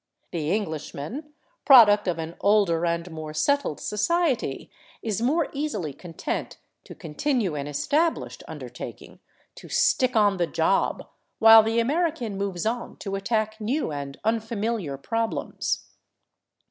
The Englishman, product of an older and more settled society, is more easily content to continue an established under taking, to "stick on the job," while the American moves on to attack new and unfamiliar problems.